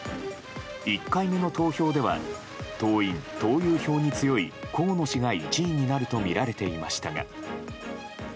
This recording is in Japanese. １回目の投票では党員・党友票に強い河野氏が１位になるとみられていましたが。